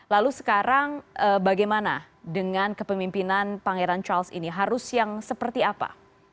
lalu sekarang bagaimana dengan kepemimpinan pangeran charles ini harus yang seperti apa